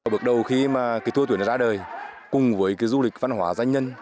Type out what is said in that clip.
bước đầu khi mà thua tuyển ra đời cùng với du lịch văn hóa danh nhân